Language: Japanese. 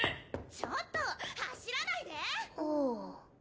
・ちょっと走らないで！